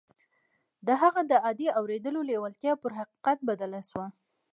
د هغه د عادي اورېدو لېوالتیا پر حقیقت بدله شوه